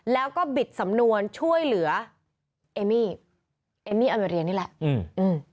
แล้วก็บิดสำนวนช่วยเหลือเอมมี่เอมมี่อเมเรียนนี่แหละอืมอืม